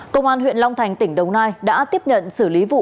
công an huyện long thành tỉnh đồng nai đã tiếp nhận xử lý vụ